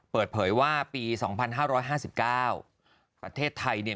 เปิดเผยว่าปี๒๕๕๙ประเทศไทยเนี่ย